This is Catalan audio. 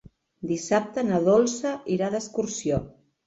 Dissabte na Dolça irà d'excursió.